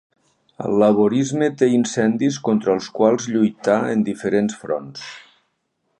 El laborisme té incendis contra els quals lluitar en diferents fronts.